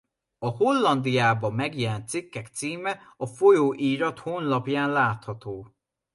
A Hollandiában megjelent cikkek címe a folyóirat honlapján látható.